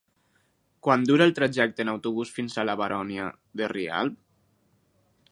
Quant dura el trajecte en autobús fins a la Baronia de Rialb?